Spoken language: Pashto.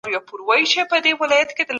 د بدن ورزش کول بریا ده.